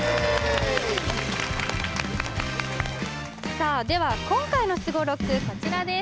さあでは今回のすご６こちらです